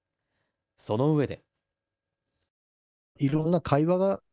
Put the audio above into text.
そのうえで。